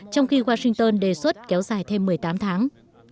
trong khi washington đề xuất kéo dài thêm một mươi tám tháng